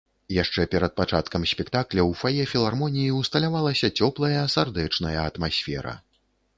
Яшчэ перад пачаткам спектакля ў фае філармоніі ўсталявалася цёплая сардэчная атмасфера.